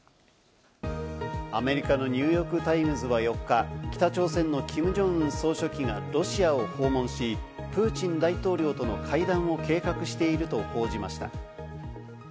アメリカのニューヨーク・タイムズは４日、北朝鮮のキム・ジョンウン総書記がロシアを訪問し、プーチン大統領との会談を計画していると報じました。